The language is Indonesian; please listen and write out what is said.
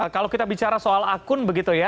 kalau kita bicara soal akun begitu ya